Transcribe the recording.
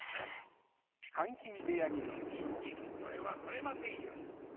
それは取れませんよ。